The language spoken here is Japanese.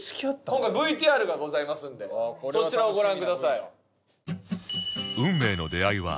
今回ＶＴＲがございますのでそちらをご覧ください。